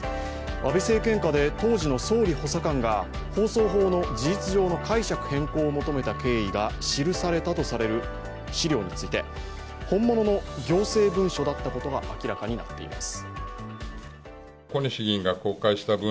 安倍政権下で当時の総理補佐官が放送法の事実上の解釈変更の求めた経緯が記されたとされる資料について、本物の行政文書だったことが明らかになっています。